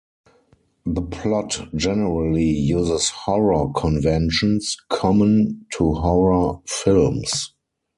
The plot generally uses horror conventions, common to horror films.